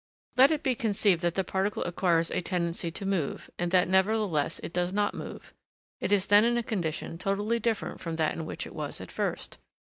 Let it be conceived that the particle acquires a tendency to move, and that nevertheless it does not move. It is then in a condition totally different from that in which it was at first.